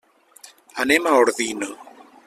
Anem a Ordino.